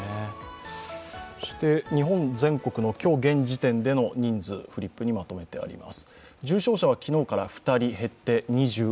そして、日本全国の今日現時点での人数、まとめてあります